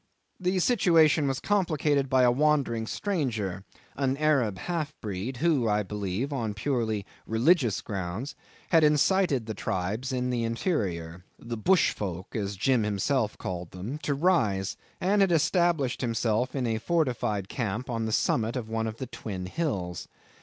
The situation was complicated by a wandering stranger, an Arab half breed, who, I believe, on purely religious grounds, had incited the tribes in the interior (the bush folk, as Jim himself called them) to rise, and had established himself in a fortified camp on the summit of one of the twin hills.